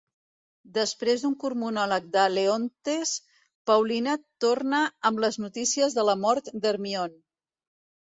Després d'un curt monòleg de Leontes, Paulina torna amb les noticies de la mort d'Hermione.